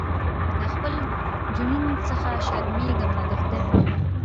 له خپل جنون څخه شرمېږمه د خدای په امان